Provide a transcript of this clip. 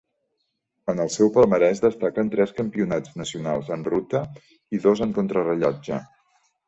En el seu palmarès destaquen tres Campionats nacionals en ruta i dos en contrarellotge.